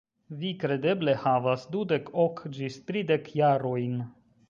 Vi kredeble havas dudek ok ĝis tridek jarojn.